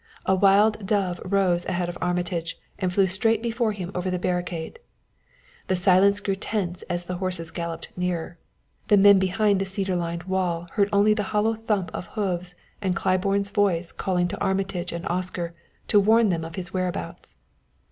A wild dove rose ahead of Armitage and flew straight before him over the barricade. The silence grew tense as the horses galloped nearer; the men behind the cedar lined wall heard only the hollow thump of hoofs and Claiborne's voice calling to Armitage and Oscar, to warn them of his whereabouts.